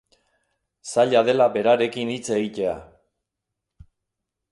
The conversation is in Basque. Zaila dela berarekin hitz egitea.